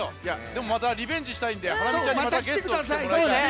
でもまたリベンジしたいんでハラミちゃんにまたゲストできてもらいたい。